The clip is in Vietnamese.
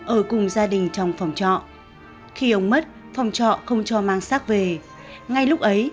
ở cùng gia đình trong phòng trọ khi ông mất phòng trọ không cho mang xác về ngay lúc ấy